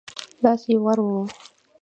لاس يې ورووړ.